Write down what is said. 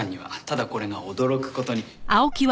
ただこれが驚く事に。